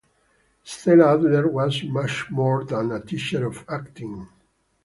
Stella Adler was much more than a teacher of acting.